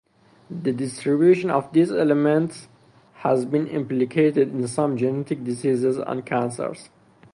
The distribution of these elements has been implicated in some genetic diseases and cancers.